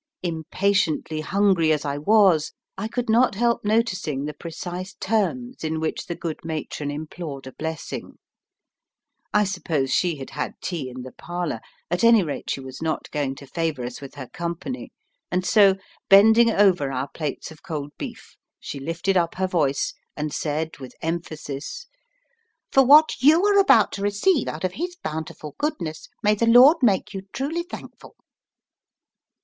Impatiently hungry as I was, I could not help noticing the precise terms in which the good matron implored a blessing. I suppose she had had her tea in the parlour. At any rate, she was not going to favour us with her company, and so, bending over our plates of cold beef, she lifted up her voice and said with emphasis, "For what you are about to receive out of His bountiful goodness may the Lord make you truly thankful."